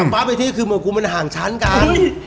มารับไปที่เรากูมันห่างชั้นกัน